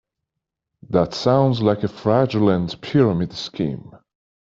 That sounds like a fraudulent pyramid scheme.